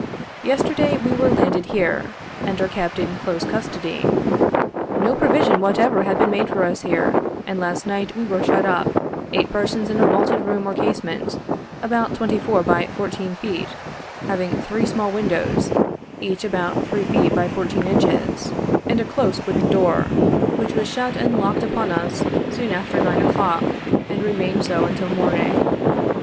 Yesterday we were landed here, and are kept in close custody. No provision whatever had been made here for us, and last night we were shut up, eight persons in a vaulted room or casemate, about twenty four by fourteen feet, having three small windows, each about three feet by fourteen inches, and a close wooden door, which was shut and locked upon us soon after 9 o'clock, and remained so until morning.